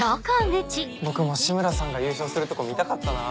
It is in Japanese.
僕も紫村さんが優勝するとこ見たかったなぁ。